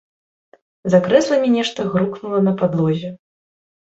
За крэсламі нешта грукнула на падлозе.